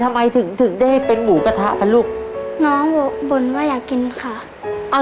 ทำไมถึงถึงได้เป็นหมูกระทะปะลูกน้องบ่นว่าอยากกินค่ะเอา